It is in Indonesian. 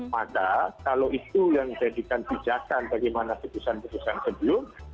maka kalau itu yang dijadikan pijakan bagaimana putusan putusan sebelum